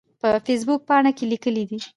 په فیسبوک پاڼه کې کې لیکلي